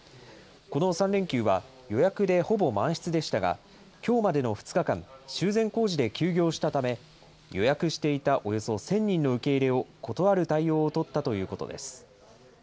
この３連休は、予約でほぼ満室でしたが、きょうまでの２日間、修繕工事で休業したため、予約していたおよそ１０００人の受け入れを断る対応を取ったということです。